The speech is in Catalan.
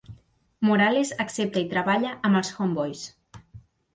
Morales accepta i treballa amb els Homeboys.